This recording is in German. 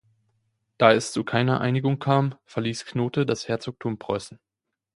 Da es zu keiner Einigung kam, verließ Knothe das Herzogtum Preußen.